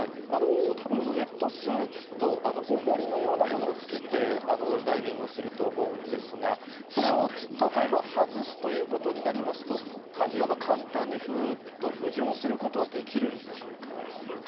たぶん、ウエットスーツと、おもりのようなものをつけてダイビングをすると思うんですが、それを例えば、外すということになりますと、いわば、簡単にふーっと浮上することはできるんでしょうか。